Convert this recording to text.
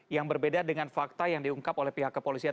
yang berbeda dengan fakta yang diungkap oleh pihak kepolisian